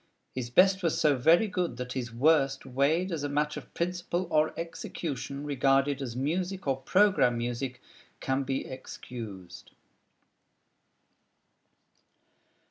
His best was so very good that his worst weighed as a matter of principle or execution, regarded as music or "programme music" can be excused.